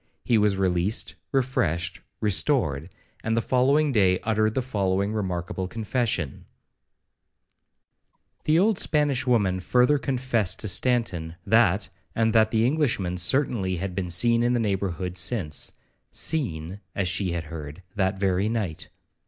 He was released, refreshed, restored, and the following day uttered the following remarkable confession The old Spanish woman further confessed to Stanton, that and that the Englishman certainly had been seen in the neighbourhood since;—seen, as she had heard, that very night.